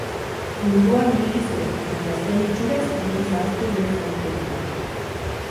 Munduan ibili zen, baina ez zuen itxuraz inoiz ahaztu bere jaioterria.